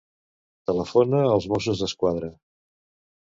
Telefona als Mossos d'Esquadra.